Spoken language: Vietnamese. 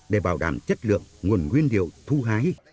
để bảo đảm chất lượng nguồn nguyên liệu thu hái